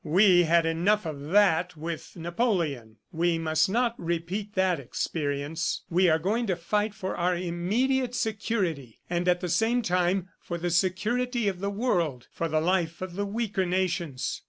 We had enough of that with Napoleon; we must not repeat that experience. We are going to fight for our immediate security, and at the same time for the security of the world for the life of the weaker nations.